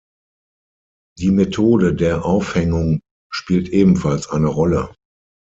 Die Methode der Aufhängung spielt ebenfalls eine Rolle.